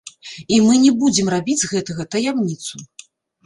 І мы не будзем рабіць з гэтага таямніцу.